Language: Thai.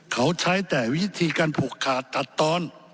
เขาใช้แต่วิธีการผูกขาดตัดตอน